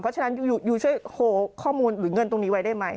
เพราะฉะนั้นยูช่วยโหข้อมูลหรือเงินตรงนี้ไว้ได้ไหม